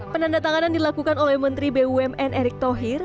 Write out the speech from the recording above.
penanda tanganan dilakukan oleh menteri bumn erick thohir